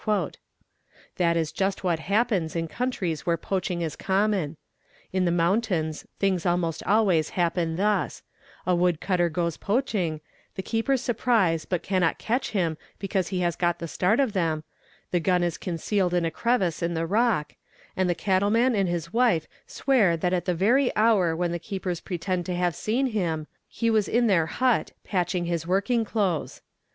That 'is just what happens in countries where poaching is common. In the p 100 EXAMINATION OF WITNESSES mountains, things almost always happen thus: a wood cutter goes — poaching, the keepers surprise but cannot catch him because he has — got the start of them; the gun is concealed in a crevice in the rock; — and the cattleman and his wife swear that at the very hour when the keepers pretend to have seen him, he was in their hut, patching his working clothes.